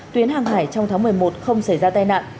tuyến hàng hải trong tháng một mươi một không xảy ra tai nạn